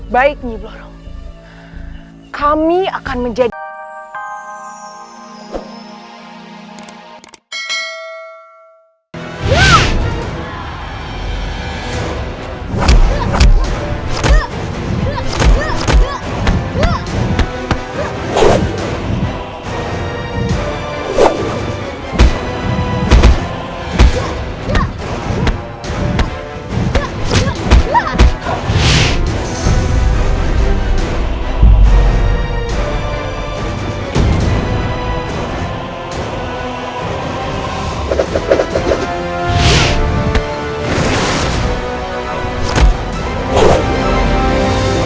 baik nyi belorong kami akan menjadi